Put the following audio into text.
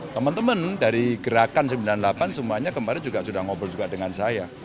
teman teman dari gerakan sembilan puluh delapan semuanya kemarin juga sudah ngobrol juga dengan saya